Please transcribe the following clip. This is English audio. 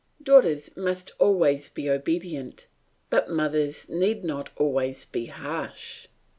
Daughters must always be obedient, but mothers need not always be harsh.